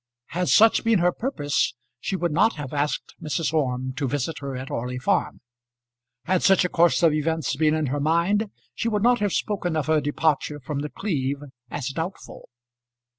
Had such been her purpose she would not have asked Mrs. Orme to visit her at Orley Farm. Had such a course of events been in her mind she would not have spoken of her departure from The Cleeve as doubtful.